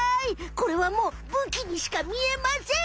これはもうぶきにしか見えません！